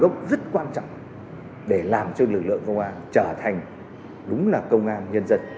đấy chính là nguồn gốc rất quan trọng để làm cho lực lượng công an trở thành đúng là công an nhân dân